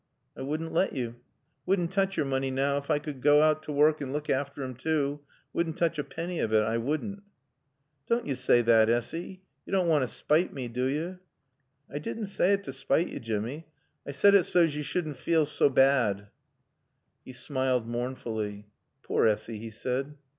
"I wouldn' lat yo'. I wouldn' tooch yo're mooney now ef I could goa out t' wark an' look affter 'im too. I wouldn' tooch a panny of it, I wouldn'." "Dawn' yo' saay thot, Essy. Yo' dawn' want to spite mae, do yo'?" "I didn' saay it t' spite yo', Jimmy. I said it saw's yo' sudn' feel saw baad." He smiled mournfully. "Poor Essy," he said.